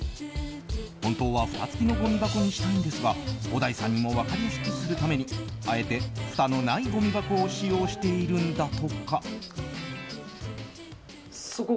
本当は、ふた付きのごみ箱にしたいんですが小田井さんにも分かりやすくするためにあえて、ふたのないごみ箱を使用しているんだとか。